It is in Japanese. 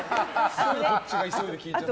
こっちが急いで聞いちゃった。